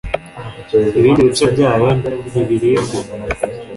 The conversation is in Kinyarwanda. ibindi bice byayo ntibiribwe.